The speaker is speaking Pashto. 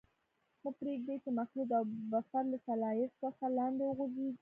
مه پرېږدئ چې مخلوط او بفر له سلایډ څخه لاندې وغورځيږي.